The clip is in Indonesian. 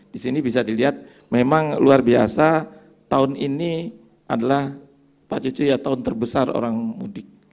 di sini bisa dilihat memang luar biasa tahun ini adalah pak cucu ya tahun terbesar orang mudik